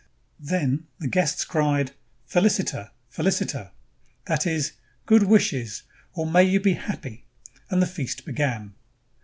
Then the guests cried, "Feliciter! Feliciter!" that is, "Good wishes!" or "May you be 329 ROME happy!" and the feast began.